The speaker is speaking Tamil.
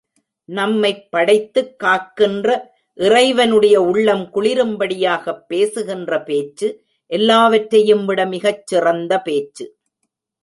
நம்மைப் படைத்துக் காக்கின்ற இறைவனுடைய உள்ளம் குளிரும்படியாகப் பேசுகின்ற பேச்சு எல்லாவற்றையும்விட மிகச் சிறந்த பேச்சு.